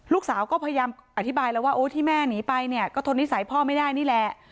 ลูกสาวก็พยายามอธิบายแล้วว่าโอ้ที่แม่หนีไปเนี่ยก็ทนนิสัยพ่อไม่ได้นี่แหละ